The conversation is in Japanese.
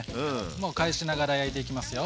もう返しながら焼いていきますよ。